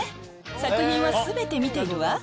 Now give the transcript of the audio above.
作品はすべて見ているわ。